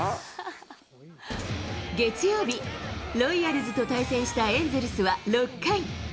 月曜日、ロイヤルズと対戦したエンゼルスは６回。